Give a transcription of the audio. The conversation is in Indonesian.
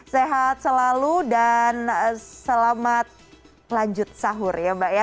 sehat selalu dan selamat lanjut sahur ya mbak ya